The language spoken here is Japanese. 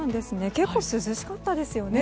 結構、涼しかったですよね